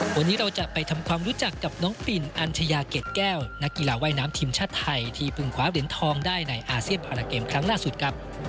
วันนี้เราจะไปทำความรู้จักกับน้องปิ่นอัญชยาเกรดแก้วนักกีฬาว่ายน้ำทีมชาติไทยที่เพิ่งคว้าเหรียญทองได้ในอาเซียนพาราเกมครั้งล่าสุดครับ